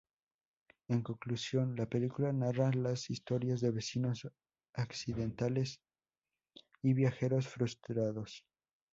En conclusión, la película narra las historias de vecinos accidentales y viajeros frustrados.